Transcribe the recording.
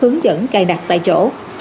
hướng dẫn cài đặt tại chỗ